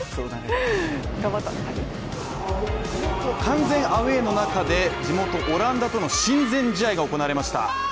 完全アウェーの中で地元オランダとの親善試合が行われました。